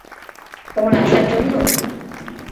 তোমার আশার জন্য?